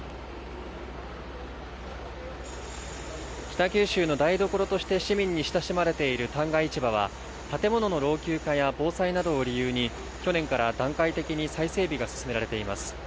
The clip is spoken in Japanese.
北九州の台所として市民に親しまれている旦過市場は建物の老朽化や防災などを理由に去年から段階的に再整備が進められています